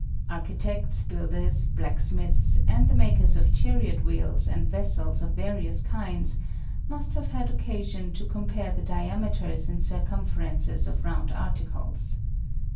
Architects, builders, blacksmiths, and the makers of chariot wheels and vessels of various kinds must have had occasion to compare the diameters and circumferences of round articles.